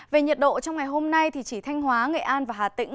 về nhiệt độ trong ngày hôm nay thì chỉ thanh hóa nghệ an và hà tĩnh